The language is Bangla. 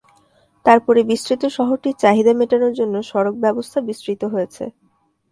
তারপরে বিস্তৃত শহরটির চাহিদা মেটানোর জন্য সড়ক ব্যবস্থা বিস্তৃত হয়েছে।